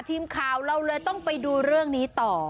ทีมข่าวเราเลยต้องไปดูเรื่องนี้ต่อ